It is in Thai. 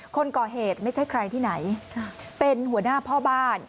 คนก่อเหตุไม่ใช่ใครที่ไหนเป็นหัวหน้าพ่อบ้าน